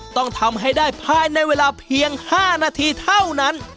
ต้องทำให้ได้ภายในเวลาเพียง๕นาทีเท่านั้น